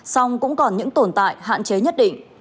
song cũng còn những tồn tại hạn chế nhất định